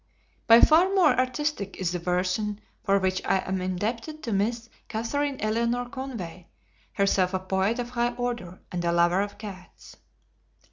By far more artistic is the version for which I am indebted to Miss Katharine Eleanor Conway, herself a poet of high order and a lover of cats.